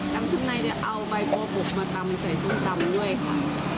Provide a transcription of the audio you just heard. ตำช้ำในจะเอาใบบัวบกมาตำใส่ส้มตำด้วยค่ะ